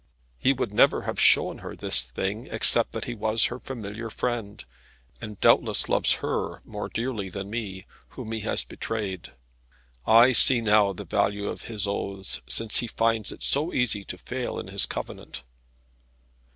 He would never have shown her this thing, except that he was her familiar friend, and doubtless loves her more dearly than me, whom he has betrayed. I see now the value of his oaths, since he finds it so easy to fail in his covenant.